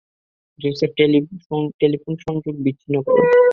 Joseph, telephone সংযোগ বিচ্ছিন্ন কর।